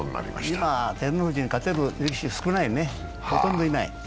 今、照ノ富士の勝てる力士少ないね、ほとんどいない。